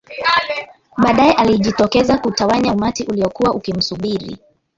baadae alijitokeza kutawanya umati uliokuwa ukimsubiri